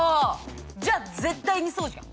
じゃあ絶対にそうじゃん。